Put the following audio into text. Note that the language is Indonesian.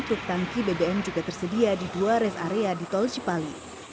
truk tangki bbm juga tersedia di dua rest area di tol cipali